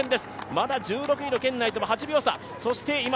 まだ１６位の圏内とも８秒差。